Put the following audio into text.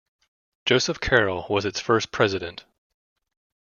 Joseph Carroll was its first president.